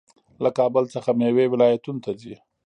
له کابل څخه میوې ولایتونو ته ځي.